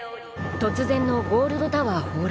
突然のゴールドタワー崩落。